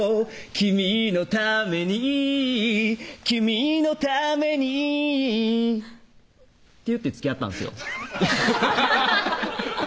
「君のために君のために」って言ってつきあったんですよ